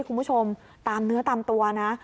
คุณผู้ชมตามเนื้อตามตัวนะ